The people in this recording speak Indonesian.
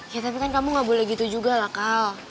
ya tapi kan kamu gak boleh gitu juga lah kak